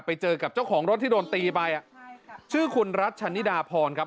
ไปเจอกับเจ้าของรถที่โดนตีไปอ่ะชื่อคุณรัชนิดาพรครับ